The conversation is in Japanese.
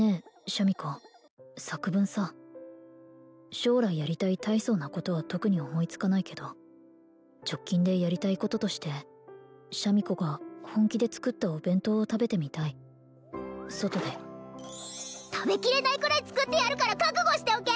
シャミ子作文さ将来やりたい大層なことは特に思いつかないけど直近でやりたいこととしてシャミ子が本気で作ったお弁当を食べてみたい外で食べきれないくらい作ってやるから覚悟しておけ！